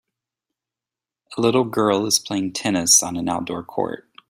A little girl is playing tennis on an outdoor court